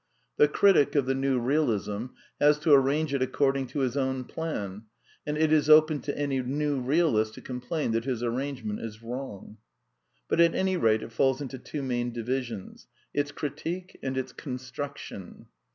The critic of the New Realism has to arrange it according to his own plan, and it is open to any new realist to complain that his arrangement is wrong. But at any rate it falls into two main divisions: its Critique and its Construction.